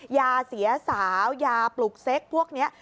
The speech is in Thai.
ยาเสียสาวยาปลุกเซ็กพวกนี้